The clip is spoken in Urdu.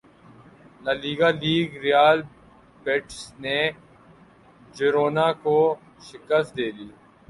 لالیگا لیگ رئیل بیٹس نے جیرونا کو شکست دیدی